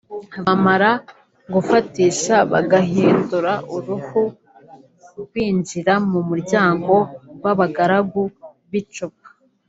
’ Bamara gufatisha bagahindura uruhu binjira mu muryango w’abagaragu b’icupa